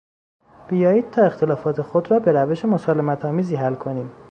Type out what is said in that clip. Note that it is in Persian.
بیایید تا اختلافات خود را به روش مسالمتآمیزی حل کنیم.